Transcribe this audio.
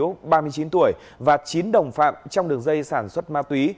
trần ngọc hiếu ba mươi chín tuổi và chín đồng phạm trong đường dây sản xuất ma túy